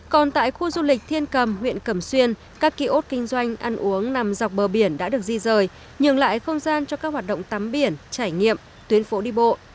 còn tại khu du lịch thiên cầm huyện cầm xuyên các kỳ ốt kinh doanh ăn uống nằm dọc bờ biển đã được di rời nhường lại không gian cho các hoạt động tắm biển trải nghiệm tuyến phổ đi bộ